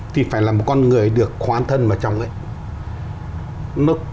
thì phải là một con người được khoán thân vào trong ấy